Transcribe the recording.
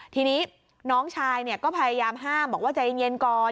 ทีนี้น้องชายก็พยายามห้ามบอกว่าใจเย็นก่อน